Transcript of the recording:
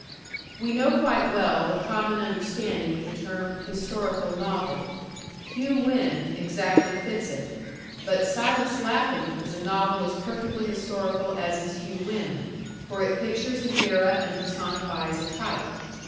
We know quite well the common understanding of the term "historical novel." HUGH WYNNE exactly fits it. But SILAS LAPHAM is a novel as perfectly historical as is Hugh Wynne, for it pictures an era and personifies a type.